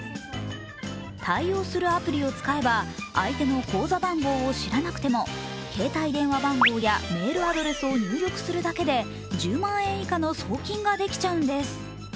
対応するアプリを使えば相手の口座番号を知らなくても携帯電話番号やメールアドレスを入力するだけで１０万円以下の送金ができちゃうんです。